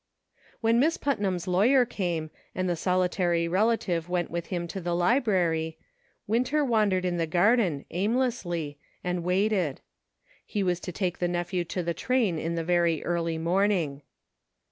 When Miss Putnam's lawyer came, and the solitary relative went with him to the library. Win ter wandered in the garden, aimlessly, and waited. He was to take the nephew to the train in the very early morning.